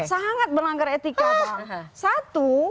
sangat melanggar etika bang